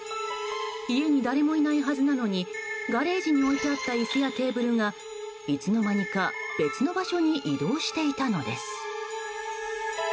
家に誰もいないはずなのにガレージに置いてあった椅子やテーブルがいつの間にか別の場所に移動していたのです。